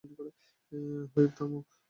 Whip, থামো!